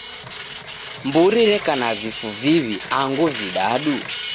Mburi reka na vifu viw'i angu vidadu?